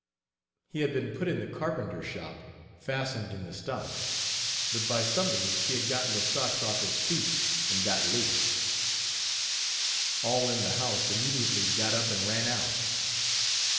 " He had been put in the carpenter shop, fastened in the stocks, but by some means he had gotten the stocks off his feet, and got lose. All in the house immediately got up and ran out.